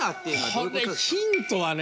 これヒントはね